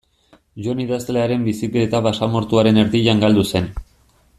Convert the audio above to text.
Jon idazlearen bizikleta basamortuaren erdian galdu zen.